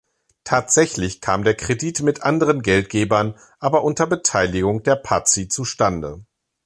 Tatsächlich kam der Kredit mit anderen Geldgebern, aber unter Beteiligung der Pazzi zustande.